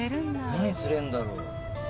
何釣れるんだろう。